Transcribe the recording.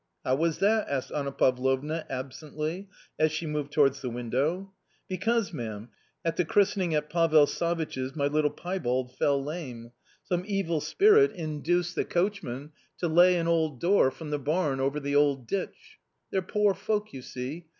" How was that ?" asked Anna Pavlovna absently, as she moved towards the window. " Because, ma'am, at the christening at Pavl Savitch's my little piebald fell lame; some evil spirit induced the 238 A COMMON STORY coachman to lay an old door from the barn over the old ditch ; they're poor folk, you see